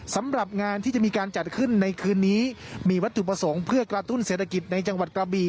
สำหรับงานที่จะมีการจัดขึ้นในคืนนี้มีวัตถุประสงค์เพื่อกระตุ้นเศรษฐกิจในจังหวัดกระบี